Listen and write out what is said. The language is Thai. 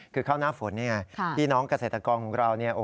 คือข้าวหน้าฝนนี่ไงพี่น้องเกษตรกรของเราเนี่ย